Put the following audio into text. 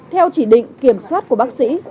theo chỉ định kiểm soát của bác sĩ